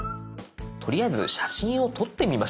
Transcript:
とりあえず写真を撮ってみましょう。